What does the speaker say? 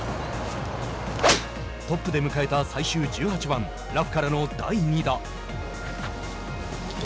トップで迎えた最終１８番ラフからの第２打。